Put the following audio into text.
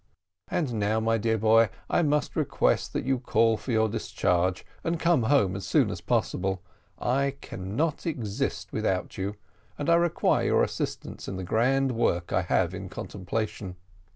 And now, my dear boy, I must request that you call for your discharge, and come home as soon as possible. I cannot exist without you, and I require your assistance in the grand work I have in contemplation.